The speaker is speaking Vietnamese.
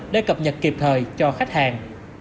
để cập nhật kịp thời cho khách hàng